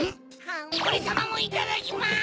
おれさまもいただきます！